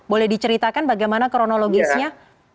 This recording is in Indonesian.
boleh diceritakan bagaimana kronologisnya